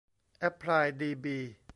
แอ็พพลาย ดีบี